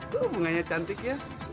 tuh bunganya cantik ya